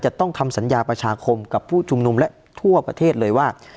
ต้องทำสัญญาประชาคมกับผู้ชุมนุมและทั่วประเทศเลยว่า